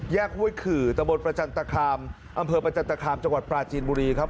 ห้วยขื่อตะบนประจันตคามอำเภอประจันตคามจังหวัดปราจีนบุรีครับ